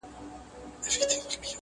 یوه ماشوم ویل بابا خان څه ګناه کړې وه؟!.